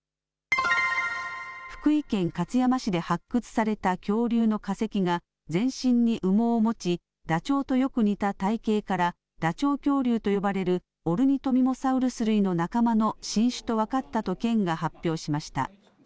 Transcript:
福井県勝山市で発掘された恐竜の化石が全身に羽毛を持ちだちょうとよく似た体型からダチョウ恐竜と呼ばれるオルニトミモサウルス類の仲間の新種と分かったと、県が発表しました。